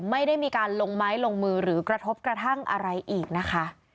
ไม่ได้มีการลงไม้ลงมือหรือกระทบกระทั่งอะไรอีกนะคะ